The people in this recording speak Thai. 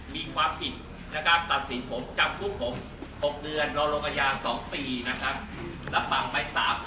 มีความผิดตัดสินจากผู้ผม๖เดือนรรย๒ปีระบังไป๓๐๐๐บาท